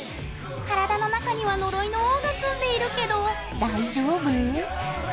体の中には呪いの王が住んでいるけど大丈夫？